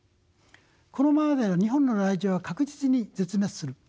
このままでは日本のライチョウは確実に絶滅する。